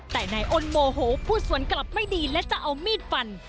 แต่นายอ้นโมโหพูดสวนกลับไม่ดีและจะเอามีดฟัน